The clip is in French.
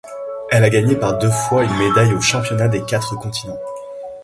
Elle a gagné par deux fois une médaille aux championnats des quatre continents.